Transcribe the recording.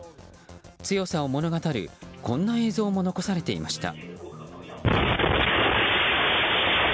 強さを物語るこんな映像も残されていました。